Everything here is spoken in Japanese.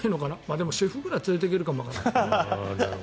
でも、シェフぐらい連れていけるかもわからない。